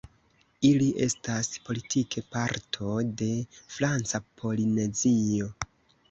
Ili estas politike parto de Franca Polinezio.